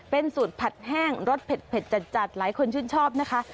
เป็นสูตรผัดแห้งรสเผ็ดจัดหลายคนชื่นชอบนะคะ